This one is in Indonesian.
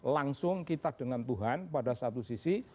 langsung kita dengan tuhan pada satu sisi